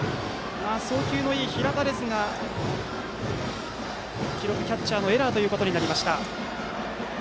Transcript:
送球のいい平田ですが記録はキャッチャーのエラーとなりました。